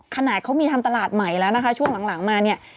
ขนาดเขามีทำตลาดใหม่แล้วนะคะช่วงหลังมาเนี่ย